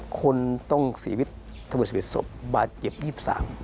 คนต้อง๔วิทยา๓ศพบาดเจ็บ๒๓